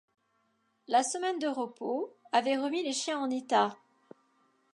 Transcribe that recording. La semaine de repos avait remis les chiens en état.